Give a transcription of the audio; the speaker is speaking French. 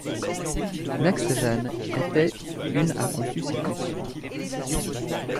NexGen était une a conçu ses puces.